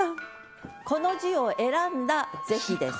この字を選んだ是非です。